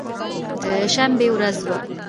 د شنبې ورځ وه.